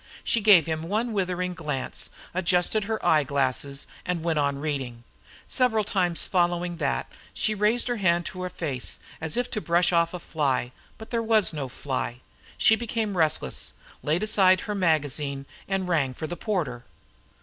She gave him one withering glance, adjusted her eye glass, and went on reading. Several times following that, she raised a hand to her face, as if to brush off a fly. But there was no fly. She became restless, laid aside her magazine, and rang for the porter.